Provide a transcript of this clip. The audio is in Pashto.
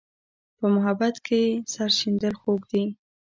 په محبت کې سر شیندل خوږ دي.